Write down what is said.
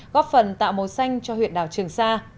góp phần tạo màu xanh cho huyện đảo trường sa